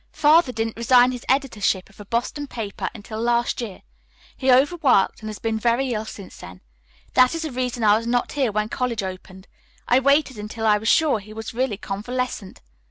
Father didn't resign his editorship of a Boston paper until last year. He overworked and has been very ill since then. That is the reason I was not here when college opened. I waited until I was sure he was really convalescent.